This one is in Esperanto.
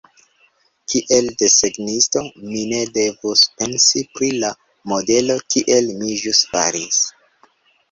Kiel desegnisto, mi ne devus pensi pri la modelo, kiel mi ĵus faris.